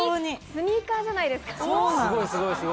スニーカーじゃないですか。